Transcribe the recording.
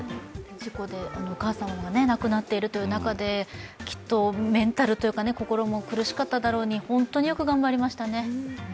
事故でお母様が亡くなっている中できっとメンタル、心も苦しかっただろうに本当によく頑張りましたね。